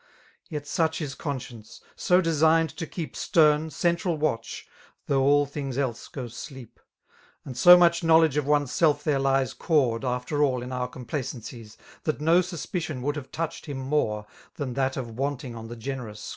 Yet such is conscience^ — so designed to keep Stern, central watch^ though all things else .§po'. sleep. And so much l^nowkdge of one's self there lies ~ Cored^ after all, in our complacencies, That no sus{Hcton would have touched him rapne^ * Than that of panting on the genj^tiiis